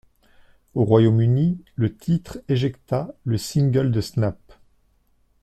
Au Royaume-Uni, le titre éjecta le single de Snap!